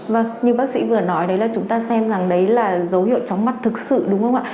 vâng như bác sĩ vừa nói đấy là chúng ta xem rằng đấy là dấu hiệu chóng mặt thực sự đúng không ạ